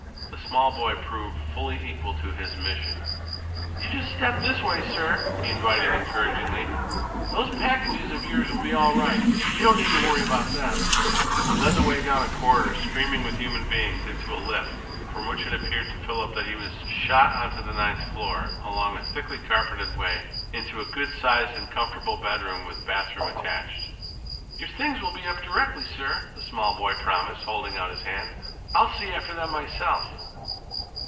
The small boy proved fully equal to his mission. "You just step this way, sir," he invited encouragingly. "Those packages of yours will be all right. You don't need to worry about them." He led the way down a corridor streaming with human beings, into a lift from which it appeared to Philip that he was shot on to the ninth floor, along a thickly carpeted way into a good sized and comfortable bedroom, with bathroom attached. "Your things will be up directly, sir," the small boy promised, holding out his hand. "I'll see after them myself."